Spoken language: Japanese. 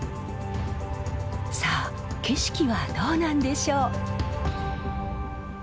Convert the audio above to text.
さあ景色はどうなんでしょう？